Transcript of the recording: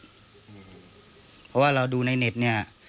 เพราะว่าเราดูในเน็ตเนี่ย